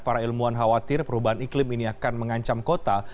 para ilmuwan khawatir perubahan iklim ini akan mengancam kota